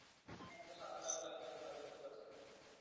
তুমি আমাকে সাহায্য না করলে আমি তোমাকে সাহায্য করতে পারছি না।